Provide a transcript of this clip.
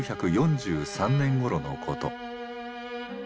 １９４３年ごろのこと。